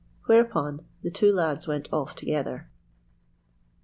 Whereupon the two lads went off together.